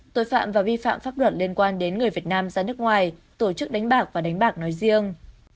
tội phạm và vi phạm pháp luật liên quan đến người việt nam ra nước ngoài tổ chức đánh bạc và đánh bạc nói riêng